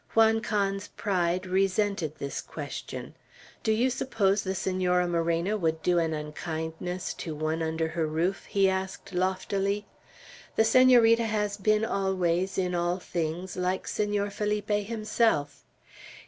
Juan Can's pride resented this question. "Do you suppose the Senora Moreno would do an unkindness to one under her roof?" he asked loftily. "The Senorita has been always, in all things, like Senor Felipe himself.